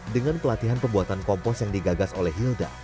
dengan pelatihan pembuatan kompos yang digagas oleh hilda